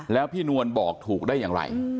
แล้วพี่นวลบอกถูกได้อย่างไร